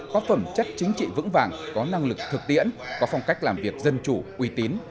có phẩm chất chính trị vững vàng có năng lực thực tiễn có phong cách làm việc dân chủ uy tín